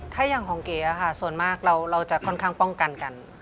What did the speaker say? ถ้าอย่างของเก๋ค่ะส่วนมากเราจะค่อนข้างป้องกันกัน